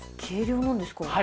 軽量なんですか？